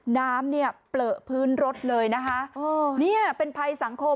น้ำเนี่ยเปลือพื้นรถเลยนะคะโอ้เนี่ยเป็นภัยสังคม